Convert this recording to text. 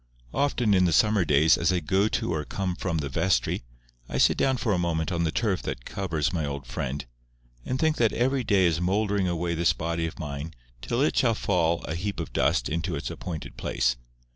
Often in the summer days as I go to or come from the vestry, I sit down for a moment on the turf that covers my old friend, and think that every day is mouldering away this body of mine till it shall fall a heap of dust into its appointed place.